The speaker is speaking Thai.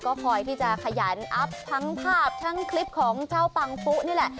ก็คอยที่จะขยันอัพทั้งภาพทั้งคลิปของเจ้าปังปุ๊นี่แหละ